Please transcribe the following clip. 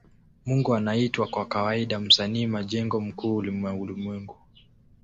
Mungu anaitwa kwa kawaida Msanii majengo mkuu wa ulimwengu.